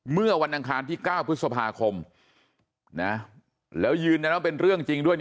เมื่อวันอังคารที่๙พฤษภาคมแล้วยืนยันว่าเป็นเรื่องจริงด้วย